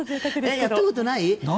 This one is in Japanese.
やったことない？